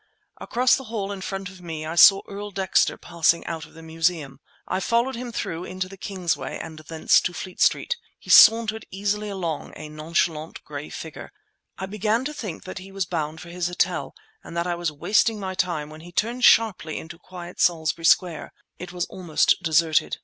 Across the hall in front of me I saw Earl Dexter passing out of the Museum. I followed him through into Kingsway and thence to Fleet Street. He sauntered easily along, a nonchalant gray figure. I had begun to think that he was bound for his hotel and that I was wasting my time when he turned sharply into quiet Salisbury Square; it was almost deserted.